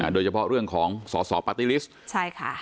โดยเฉพาะเรื่องของสอบปาร์ตี้ลิสต์